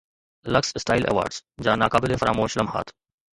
luxe style awards جا ناقابل فراموش لمحات